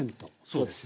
そうです。